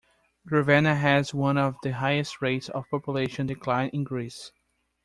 Grevena has one of the highest rates of population decline in Greece.